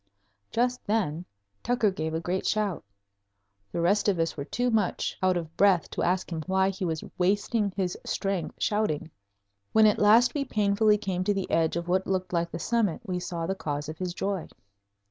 Just then Tucker gave a great shout. The rest of us were too much out of breath to ask him why he was wasting his strength shouting. When at last we painfully came to the edge of what looked like the summit we saw the cause of his joy.